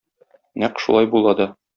Нәкъ шулай була да.